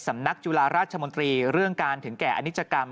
สำนักจุฬาราชมนตรีเรื่องการถึงแก่อนิจกรรม